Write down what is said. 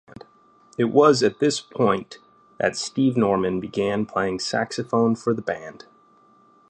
It was at this point that Steve Norman began playing saxophone for the band.